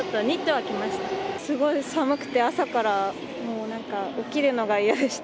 すごい寒くて、朝からもうなんか、起きるのが嫌でした。